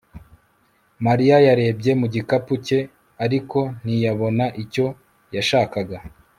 Mariya yarebye mu gikapu cye ariko ntiyabona icyo yashakaga